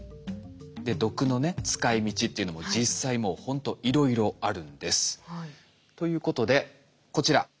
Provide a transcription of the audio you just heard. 毒のね使い道っていうのも実際もうほんといろいろあるんです。ということでこちら。